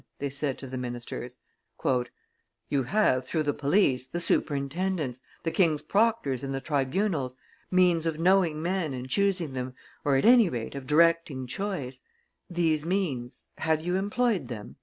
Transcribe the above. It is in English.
they said to the ministers. "You have, through the police, the superintendents, the king's proctors in the tribunals, means of knowing men and choosing them, or, at any rate, of directing choice; these means, have you employed them?"